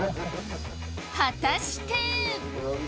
果たして？